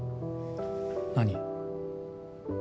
何？